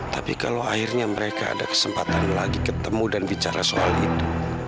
tapi kalau akhirnya mereka ada kesempatan lagi ketemu dan bicara soal itu